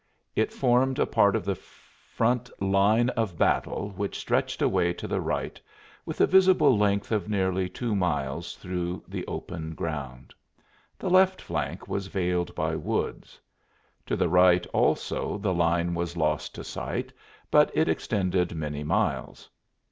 It formed a part of the front line of battle, which stretched away to the right with a visible length of nearly two miles through the open ground. The left flank was veiled by woods; to the right also the line was lost to sight, but it extended many miles.